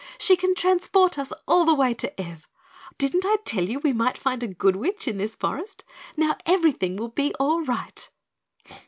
She can transport us all the way to Ev! Didn't I tell you we might find a good witch in this forest? Now everything will be all right!"